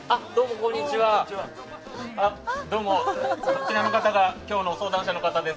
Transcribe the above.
こちらの方が今日の相談者の方です。